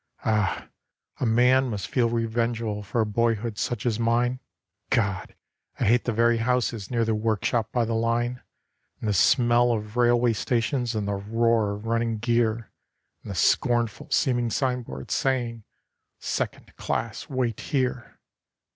Ah! a man must feel revengeful for a boyhood such as mine. God! I hate the very houses near the workshop by the line; And the smell of railway stations, and the roar of running gear, And the scornful seeming signboards, saying 'Second class wait here.